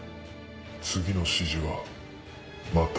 次の指示はまた。